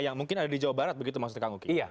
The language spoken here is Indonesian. yang mungkin ada di jawa barat begitu maksudnya kang uki